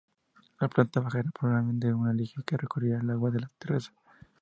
La planta baja era probablemente un aljibe que recogería el agua de la terraza.